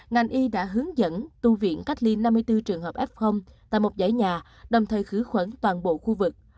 ngành y đã hướng dẫn tu viện cách ly năm mươi bốn trường hợp f tại một giải nhà đồng thời khử khuẩn toàn bộ khu vực